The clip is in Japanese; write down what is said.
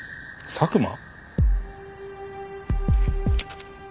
佐久間